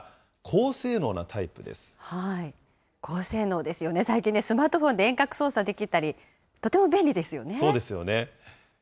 高性能ですよね、最近ね、スマートフォンで遠隔操作できたり、そうですよね。